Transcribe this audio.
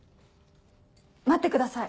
待ってください